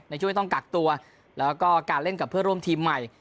ในช่วงที่ต้องกักตัวแล้วก็การเล่นกับเพื่อร่วมทีมใหม่